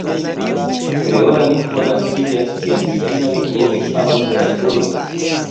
Kreola lingvo naskiĝas kiam piĝina lingvo ekhavas denaskulojn.